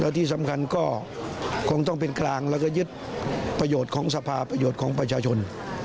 ที่สำคัญก็คงต้องเป็นกลางแล้วก็ยึดประโยชน์ของสภาประโยชน์ของประชาชน